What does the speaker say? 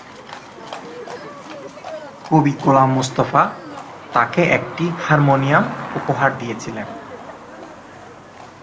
কবি গোলাম মোস্তফা তাকে একটি হারমোনিয়াম উপহার দিয়েছিলেন।